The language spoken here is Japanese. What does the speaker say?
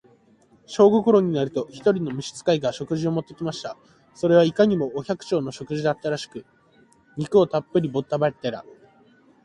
正午頃になると、一人の召使が、食事を持って来ました。それはいかにも、お百姓の食事らしく、肉をたっぶり盛った皿が、